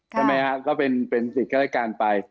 ใช่ไหมฮะก็เป็นสิทธิภายการไป